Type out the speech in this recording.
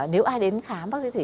nếu ai đến khám bác sĩ thủy